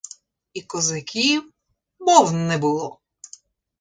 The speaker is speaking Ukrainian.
І козаків мов не було!